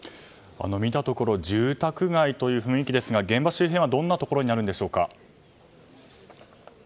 見たところ住宅街という雰囲気ですが現場周辺はどんなところになるんでしょうか。